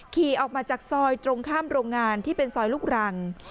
ขี่ออกมาจากซอยตรงข้ามโรงงานที่เป็นซอยลูกรัง